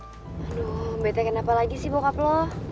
aduh bete kenapa lagi sih bokap lo